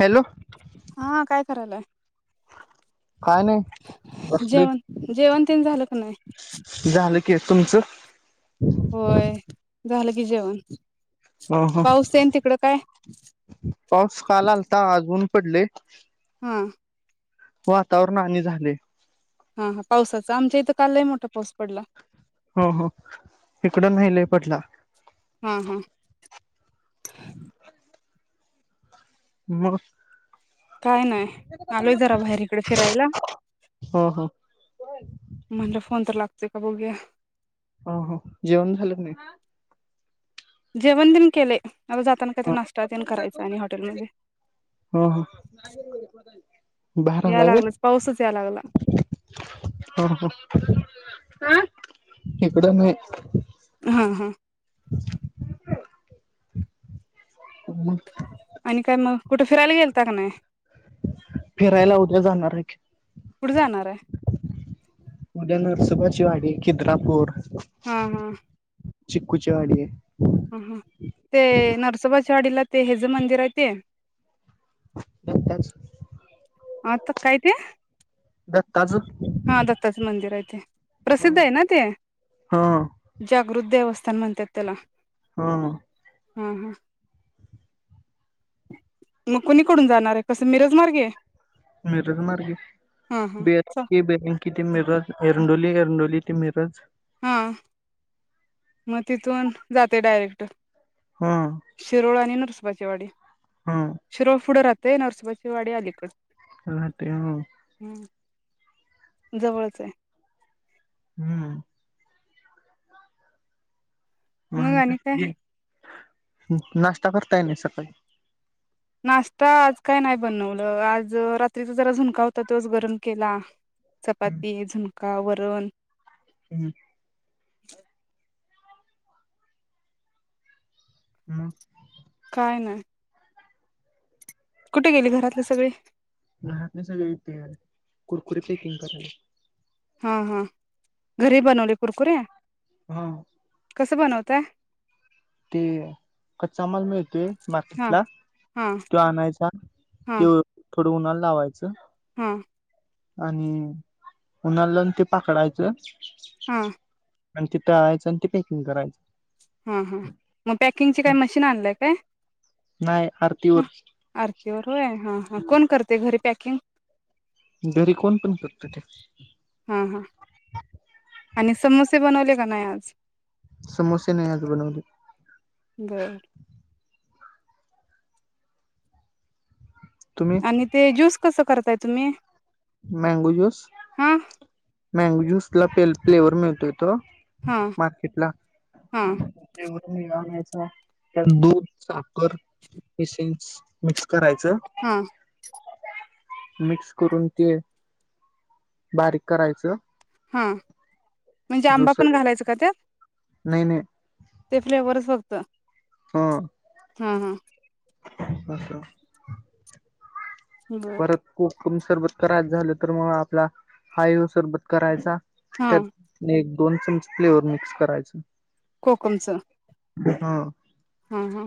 Hello हा काय करायलाय काय नाही बसले जेवण जेवण तेन झालं की नाही क तुमचं होय झालं की जेवन ह ह पाऊस काल आलंता अजून पडले हां वातावरण आणि झाले हा हा पावसाचा आमच्या इथं काल लय मोठा पाऊस पडला हो हो इकडं नाही लय पडला हम हम हम् काय नाही आलोय जरा बाहेरकडे फिरायला ह ह म्हणलं फोन तर लागतो ठीक आहे, बघूया ह ह जेवण झालं की नाही जेवणदीन केलत आता जाताना काहीतरी नाश्ता तेन करायचा आणि हॉटेल मध्ये, ह ह बाहेर या आलाय व्हय लागलंच पाऊसच याय लागलाय. ह हं इकड मी हा हा मग आणि काय मग कुठे फिरायला गेलता का नाही. फिरायला उद्या जाणार आहे की कुठे जाणार आहे उद्या नरसुबाचीवाडी खिद्रापूर हम् हम्- चिक्कुचेवाडी ह ह ते नरसोबाच्या वाडीला ते हेज मंदिर आहे ते दत्ताच आता काय ते दत्ताचं हा दत्ताचे मंदिर आहे ते प्रसिद्ध आहे हा ना ते जागृत देवस्थान काय म्हणत्यात त्याला हा हं हा हा मग कुणीकडून जाणार आहे कस मिरज मार्गे मिरज मार्गे हा हा बे चा [unintelligible] किती मिरत एरंडोली एरंडोली ते मिरज हा मग तिथून जाते डायरेक्ट हा शीरोळ आनी साजेवाडी हा [unintelligible] शिरोळ पुढे राहत ते नरसोबाचीवाडी आलीकड हटे ह जवळच आहे. हम्म मग मन आणि का काय [unintelligible] नाश्ता करताय ना सकाळी नाश्ता आज काय नाही बनवलं आज रात्रीचा जरा झुणका होता तोच गरम केला. हम्म चपाती झुंन का वरण हम्म. ह म हाय ना. कुठे गेले घरातले सगळे? घरातले सगळे इथे आहे, कुरकुरे पॅकिंग करायला. हा हा घरी बनवले कुरकुरे? हा. कसं बनवताय? तेय कच्चा माल मिळतोय, हा मार्कीटला हा तो आणायचा हा क्यो खडू टोनाल लावायचं. हा. आणि उन्हा लावून ते पाखडायचं हा. आणि तिथं आळायचं आणि ते पॅकिंग करायचं. हा, हा म पॅकिंगची काय मशीन आणलाय काय? नाही म आरतीवर आरतीवर होय हा हा कोण करतय घरी? पॅकिंग दरी कोण पन करते ते. हा हा आणि समोसे बनवले का नाही आज? समोसे नाही आज बनवले. बर तुम्ही आणि ते जूस कसं करतायत? तुम्ही मैंगो जूस हा मैंगो ज्यूसला पेल प्लेवर मिळतोय. तो हा मार्केटला हा मिळवण्याचा त्यात दूध साख कर इसेन्स मिक्स कराय हा. मिक्स करून ते, बारीक करायचं. हा. म्हनजे आंबा ज्यूसर पण घालायचा का त्यात? नाही नाही. ते फ्लेवरच फक्त हा. हा हा. पसरा बर परत कुक तुम्ही सरबत करायच झाल तर, म आपला हाय ह्यो सरबत करायचा. हा त्यात नाइ ना दोन चमच फ्लेवर मिक्स करायच. कोकमचं? हा. हा, हा.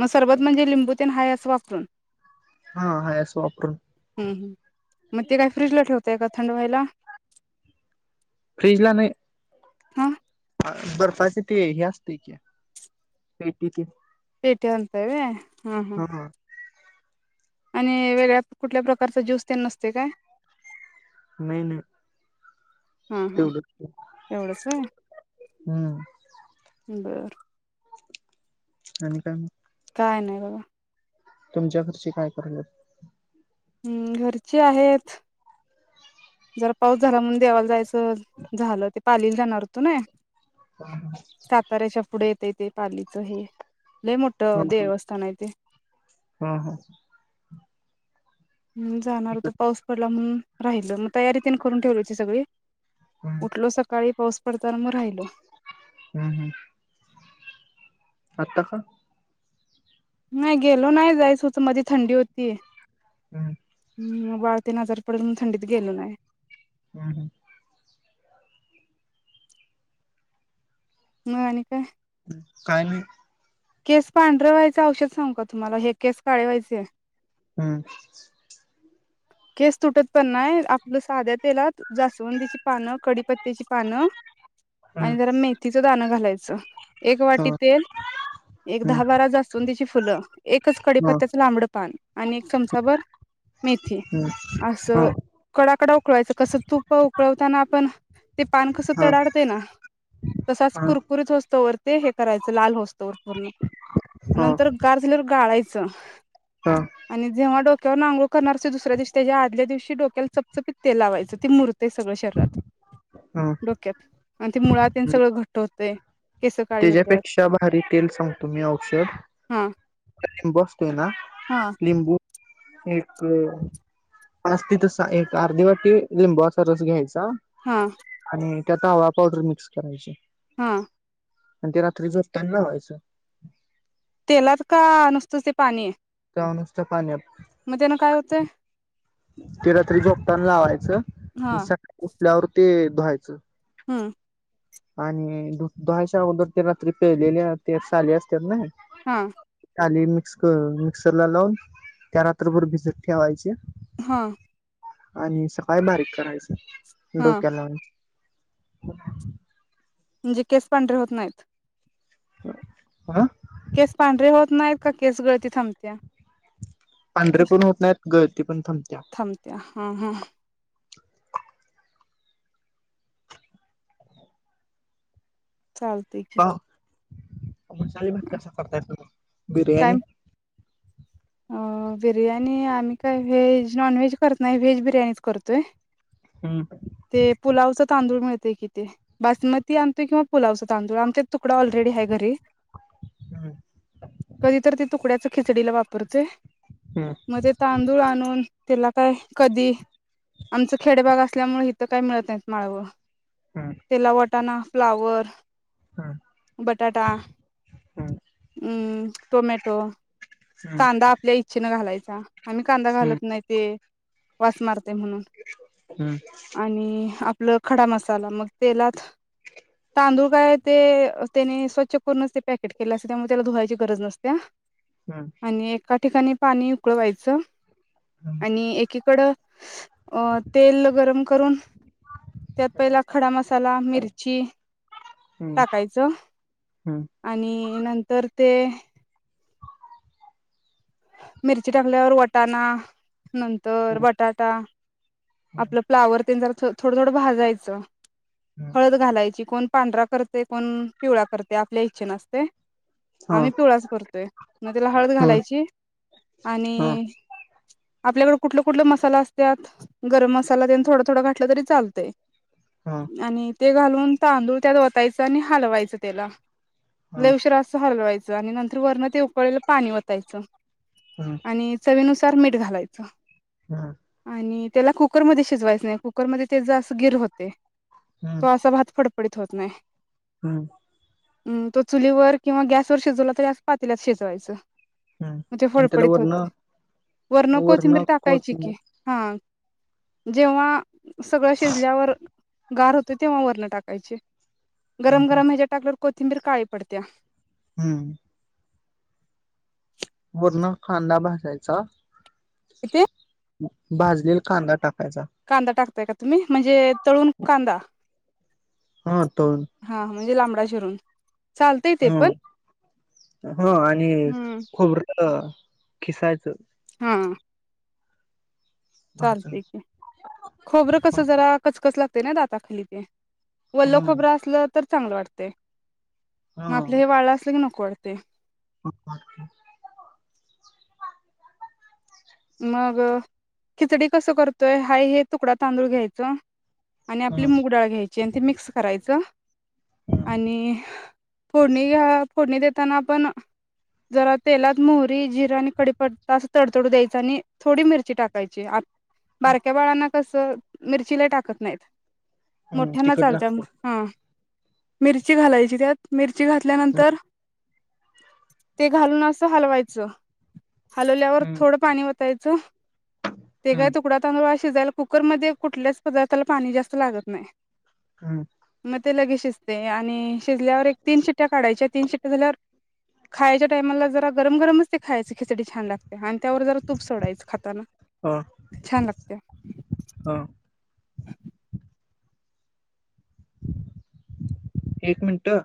म सरबत म्हणजे लिंबू तेन हाय असं वापरून? हा हाय असं वापरून हु, हु. म ते काय फ्रिजला ठेवताय का? थंड व्हायला. फ्रीजला नाही. हा बर्फाची ते हे असतय की, पेटी ते पेटी आणताय व्हय? हं हं. हा आणि वेगळ्या कुठल्या प्रकारचा ज्यूस तेन नसतय काय? नाही नाही, हा हा तेवढंच. एवढंच होय हं. बरं. आणि काय मग? काय नाही बगा. तुमच्या घरचे काय करतात? हम्म घरची आहेत. जरा पाऊस झाला म्हणून देवाला जायचं, झालं ते पालीला जाणार होतो नयी. साताऱ्याच्या पुढे ते ते पालीचं हे लय हा मोठं हा देवस्थान आहे तेे, हा हा हम्म जाणार होतो. इकड पाऊस पडला म्हणून, राहायच मग तयारी तेन करून ठेवयाची सगळी हम्म उठलो सकाळी पाऊस पडताना मग राहिल. हम्म हम. आता का, नाही गेलो नाही, जायंच होत मध्ये थंडी होती. हम्म. हम वाळते नजर पडल म्हणून थंडीत गेलो नाही. हम् हम्, मग आणि काय काय नाही, केस पांढर व्हायच औषध सांगू का, तुम्हाला हे केस काळे व्हायचंय. हम्म [unintelligible] केस तुटत पण नाय. आपलं साध्या तेलात जासवंदीची पानं, कडीपत्त्याची पानं हम्म आणि जरा मेथीचं दाणं घालायचं. च एक हा वाटी तेल, एक हम्म दहा- बारा जास्वंदीची फुलं, एकच हा कडीपत्त्याचं लांबडं पान आणि एक चमचाभर मेथी. हम्म हा असं, कडाकडा उकळवायचं. कसं, तुप उकळवताना आपण, ते पान कसं हा तडाडतय ना, तसाच हा कुरकुरीत हो तोवर ते हे करायचं लाल हो [unintelligible] हा नंतर गार झाल्यावर गाळाय च हा आणि जेव्हा डोक त्यावरन अंघोळ करणाऱ्याच्या दुसऱ्या दिवशी त्याच्या आदल्या दिवशी डोक्याला चपचपीत तेल लावायचं ते मुर ते सगळ शरीरात हा डोक्यात आणि ते मुळा तेन सगळं घट्ट होतय. त्याज्यापेक्षा भारी तेल सांगतो मी औषध. हा लिंब ते ना हा लिंबू एक पाच तिथ सहा एक अर्धीघचथह वाटी लिंबूवा. चा रस घ्यायचा [unintelligible] आणिम त्यात आवळा पावडर मिक्स करायची. हां आणि ते रात्री झोपताना लावायचं तेलात का? नुसत ते पाणी. ता नुसत पाण्यात. म त्यान काय होतंय? ते रात्री झोपतान लावायचं. हा सक उठल्यावर ते धुवायच. हम्म आणि धु धुहायच्या अगोदर ते रात्री प्यायलेले ते साली असत्यात नाय हा. साली मिक्स मिक्सरला लावून त्या रात्रभर भिजत ठेवायच्या. हा. आणि सकाळी बारीक करायच. हा डोक्याला लाऊन [inaudible] म्हणजे केस पांढरे होत नाईत. आ केस पांढरे होत नाईत, का केस गळती थांबत्या? पांढरे कशी पण होत नाईत, गळती पण थांबत्या. थांबत्या हा, हा. चालतय की. पाव मसाले भात कसा करताय तुम्ही? बिर्याणी. अं बिर्याणी आम्ही काय व्हेज नॉन व्हेज करत नाय, व्हेज बिर्याणीच करतोय. हम्म ते पुलावच तांदूळ मिळ ते कीती बासमती आणतोय किंवा पुलावचा तांदूळ आमच्यात तुकडा ऑलरेडी हाय घरी. हम्म कधी तर ते तुकड्याच खिचडी ला वा पुरतय. म ते तांदूळ आणून तिला काय कधी आमचं खेडेभाग असल्यामुळे हिथं काय मिळत नाहीत माळवं. हम्म त्येला वा टाना फ्लावर बटाटा हम्म हम्म अम्म टोमॅटो, हम्म हम्म हम्म कांदा आपल्या इच्छेनं घालाय चा. आम्ही कांदा घालत नाही ते वास मार ते म्हणून आणि आ आपलं खडा मसाला मग तेलात, तांदूळ काय ते त्येनी स्वच्छ करूनच ते पॅकेट केले असत, त्यामुळे त्याला धुवायची गरज नसत्या. हम्म आणि एका ठिकाणी पाणी उकळवायचं. हम्म आणि एकीक कड अ तेल गरम करून त्यात पहिला खडा मसाला मिरची टाकायचं, हम्म आणि नंतर ते मिरची टाकल्यावर वटाणा नंतर आणि बटाटा, आपलं फ्लावरतेन जरा थोडं थोडं भाजायचं. हळद घालायची कोण पांढरा करतयं कोण पिवळा करतय आपल्या इच्छेन असतयं. आम्ही पिवळाच करतोय म त्याला हळद घालायची आणि आपल्याकड कुठलं कुठलं मसालं असत्यात. गरम मसाला तेन थोडं थोडं घातलं तरी चालतंय. आणि ते घालून तांदूळ त्यात ओतायचं आणि हलवायचं तेला लय उशिरा असं हलवाय चं आणि नंतर वरण ते उकळलेलं पाणी वतायचं. आणि चवीनुसा तर मीठ घालायचं. आणि त्याला कुकरमध्ये शिजवायचं नाही, कुकरमध्ये त्याज अस गिर होतय. तो असा भात फड पडीत होत नाही. हम्म. हम तो चुलीवर किंवा गॅसवरर शिजवला तरी अस पितेल्यात शिजवायचं. मग ते त्याला फडफडीत वरण होते नाय, वरण कोथिंबरी टाकायची की हा जेव्हा सगळं शिजल्यावर गार होते तेव्हा वरण टाकायची गरम गरम ह्याच्या टाकल्यावर कोथिंबीर काळी पडत्या. हम्म. वरण खांदा भाजायचा इथे भाजलेला कांदा टाक कांदा टाक ताय का तुम्ही म्हणजे तळून कांदा हा तळून हा म्हणजे लांबडा चिरून चालतय ते पण हम ह आणि हम्म खोबरं अ किसायच हा. भाजून चालतय की खोबरं कस जरा कचकच लाग तय ना दाता खाली ते ह वल्ल खोबरं असल तर चांगलं वाटतय म ह आपल हे वळल असलं की नको वाट ते [unintelligible] मग खिचडी कस करतोय हाय हे तुकडा तांदूळ घ्यायच आणि आपली मुग डाळ घ्यायची, आणि ती मिक्स करायचं आणि फोडणी अ फोडणी देत तेला पण जरा तेलात मोहरी, जिरा आणि कडीपत्ता असं तडतडू द्यायची. [unintelligible] थोडी मिरची टाकायची. बारक्या बाळांना कस मिरची लयं टाकत नाहीत. मोठ्यांना तिकट चालतंय लागते मग, हा मिरची घालायची, त्यात मिरची मिरची घातल्या नंतर, ते घालून असं हलवायचं. हलवल्यावर हम्म थोडं पाणी वतायचं ते काय हम्म तुकडा तांदुळ शिजायला कुकरमध्ये कुठल्याचं पदार्थला पाणी जास्त लागत नाहीत. हम्म! ते लगेच शिजतयं, आणि शिजल्यावर एक तीन शिट्या काढायच्या, तीन शिट्या झाल्यावर खायच्या टाइमाला जरा गरम गरमचं ते खायच खिचडी छान लागत. त्यावर जरा तूप सोडायचं खाताना ह छान लागते. ह एक मिनटं